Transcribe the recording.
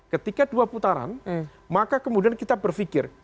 ketika dua putaran maka kemudian kita berpikir